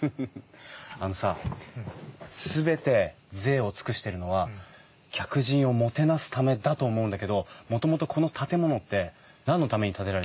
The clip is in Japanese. あのさ全てぜいを尽くしてるのは客人をもてなすためだと思うんだけどもともとこの建物って何のために建てられたか知ってる？